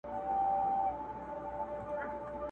زاغ نيولي ځالګۍ دي د بلبلو،